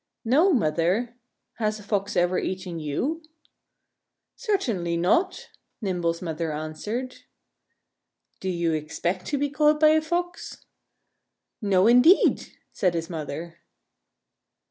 "No, Mother!... Has a Fox ever eaten you?" "Certainly not!" Nimble's mother answered. "Do you expect to be caught by a Fox?" "No, indeed!" said his mother.